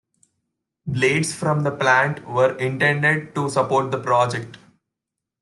Blades from the plant were intended to support the project.